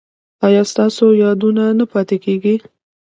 ایا ستاسو یادونه نه پاتې کیږي؟